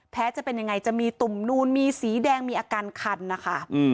จะเป็นยังไงจะมีตุ่มนูนมีสีแดงมีอาการคันนะคะ